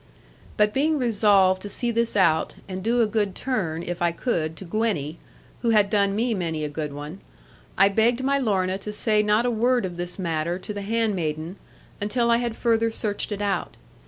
But being resolved to see this out, and do a good turn, if I could, to Gwenny, who had done me many a good one, I begged my Lorna to say not a word of this matter to the handmaiden, until I had further searched it out.